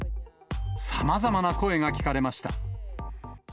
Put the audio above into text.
さまざまな声が聞かれました。